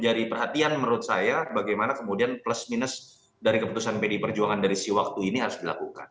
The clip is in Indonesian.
perhatian menurut saya bagaimana kemudian plus minus dari keputusan pdi perjuangan dari si waktu ini harus dilakukan